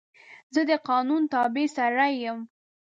زه د قانون تابع سړی یم.